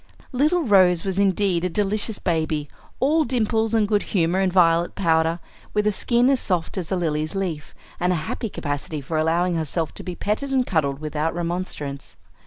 Little Rose was indeed a delicious baby, all dimples and good humor and violet powder, with a skin as soft as a lily's leaf, and a happy capacity for allowing herself to be petted and cuddled without remonstrance.